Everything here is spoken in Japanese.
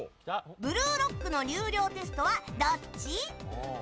ブルーロックの入寮テストはどっち？